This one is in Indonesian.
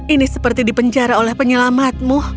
ini seperti dipenjara oleh penyelamatmu